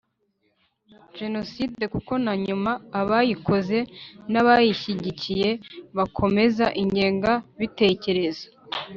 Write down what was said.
Jenoside kuko na nyuma abayikoze n abayishyigikiye bakomeza ingenga bitekerezo